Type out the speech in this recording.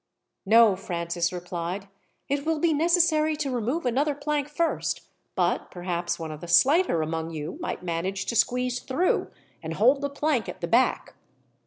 "No," Francis replied. "It will be necessary to remove another plank first, but perhaps one of the slighter among you might manage to squeeze through, and hold the plank at the back.